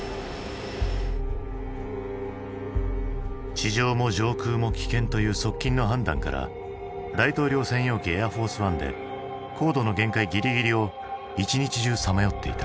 「地上も上空も危険」という側近の判断から大統領専用機エアフォースワンで高度の限界ギリギリを１日中さまよっていた。